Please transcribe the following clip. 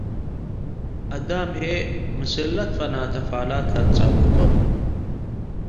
አዳም ህዬ ምስል ለትፈናተ ፋላት ለአትጻብጦም።